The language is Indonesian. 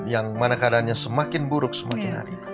yang mana keadaannya semakin buruk semakin hari